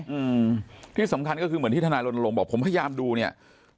อืมที่สำคัญก็คือเหมือนที่ทนายรณรงค์บอกผมพยายามดูเนี้ย